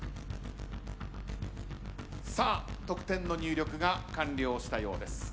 さあ得点の入力が完了したようです。